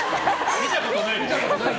見たことないでしょ。